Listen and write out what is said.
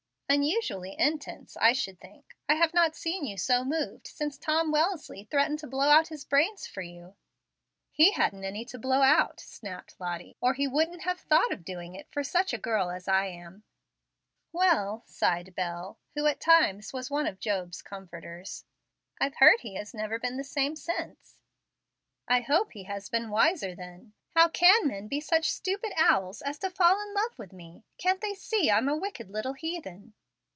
"Unusually intense, I should think. I have not seen you so moved since Tom Wellesly threatened to blow out his brains for you." "He hadn't any to blow out," snapped Lottie, "or he wouldn't have thought of doing it for such a girl as I am." "Well," sighed Bel, who at times was one of Job's comforters, "I've heard he has never been the same since." "I hope he has been wiser, then. How can men be such stupid owls as to fall in love with me! Can't they see I'm a wicked little heathen?"